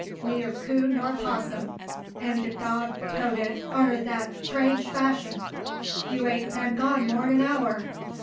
Neider coon nor possum! An' de dog toated arter dat trange fashun! You ain't been gone more'n a hour!